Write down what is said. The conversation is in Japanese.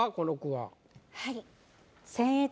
はい。